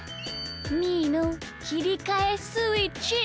みーのきりかえスイッチ！